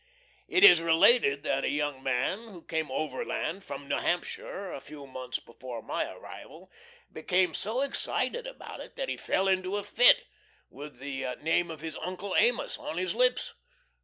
It is related that a young man who came Overland from New Hampshire a few months before my arrival became so excited about it that he fell in a fit, with the name of his Uncle Amos on his lips!